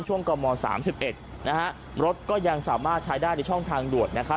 กม๓๑นะฮะรถก็ยังสามารถใช้ได้ในช่องทางด่วนนะครับ